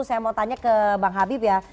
saya mau tanya ke bang habib ya